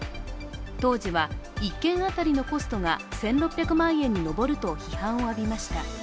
当時は１件当たりのコストが１６００万円に上ると批判を浴びました。